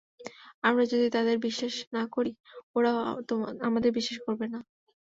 আমরা যদি তাদের বিশ্বাস না করি, ওরাও আমাদের বিশ্বাস করবে না।